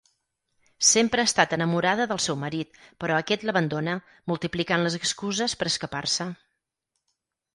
Sempre ha estat enamorada del seu marit però aquest l'abandona, multiplicant les excuses per escapar-se.